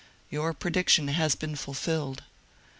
Your prediction has been fulfilled.''